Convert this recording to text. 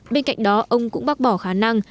bên cạnh đó ông cũng bác bỏ khả năng